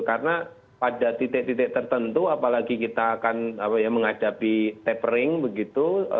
karena pada titik titik tertentu apalagi kita akan menghadapi tapering begitu